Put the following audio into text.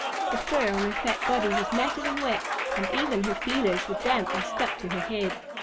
The fur on her fat body was matted and wet, and even her feelers were damp and stuck to her head.